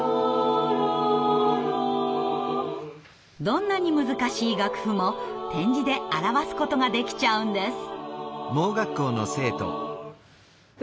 どんなに難しい楽譜も点字で表すことができちゃうんです。